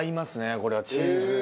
これはチーズ。